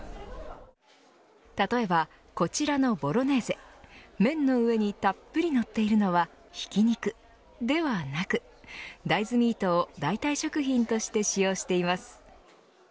例えばこちらのボロネーゼ麺の上にたっぷり乗っているのはひき肉ではなく大豆ミートを代替食品として使用しています。